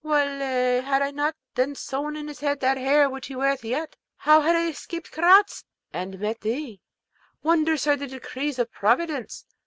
Wullahy, had I not then sown in his head that hair which he weareth yet, how had I escaped Karaz, and met thee? Wondrous are the decrees of Providence!